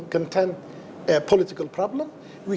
masalah politik dalam broadcasting